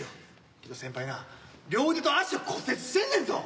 けど先輩な両腕と足を骨折してんねんぞ。